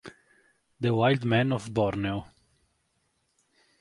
The Wild Man of Borneo